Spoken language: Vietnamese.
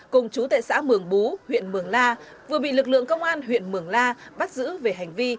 cùng chú tệ xã mường bú huyện mường la vừa bị lực lượng công an huyện mường la bắt giữ về hành vi